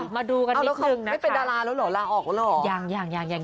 มาดูกันนิดนึงนะไม่เป็นดาราแล้วเหรอลาออกแล้วเหรอ